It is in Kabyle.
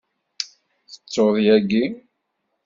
Tettuḍ yagi.